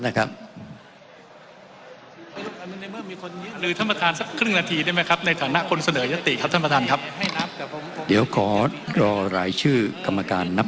นะครับในฐานะคนเสนอยติครับท่านประธานครับเดี๋ยวขอรอรายชื่อกรรมการนับ